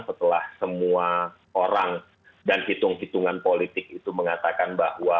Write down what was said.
setelah semua orang dan hitung hitungan politik itu mengatakan bahwa